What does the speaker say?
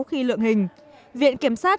khi lượng hình viện kiểm sát